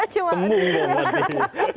kembul ya mbak adis